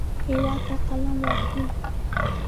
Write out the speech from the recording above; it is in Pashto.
هېواد ته قلم ورکړئ